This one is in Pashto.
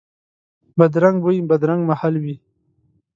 بدرنګ بوی، بدرنګ محل وي